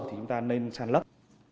thì chúng ta nên sàn lấp